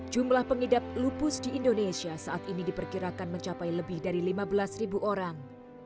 jumlah pengidap lupus di indonesia saat ini diperkirakan mencapai lebih dari lima belas ribu orang